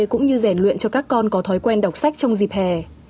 cũng như rèn luyện cho các con có thói quen đọc sách trong dịp hè